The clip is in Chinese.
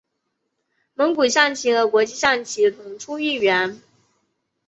蒙古象棋和国际象棋同出一源。